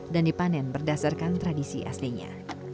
dan dipanen berdasarkan tradisi aslinya